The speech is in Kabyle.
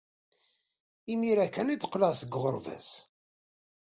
Imir-a kan ay d-qqleɣ seg uɣerbaz.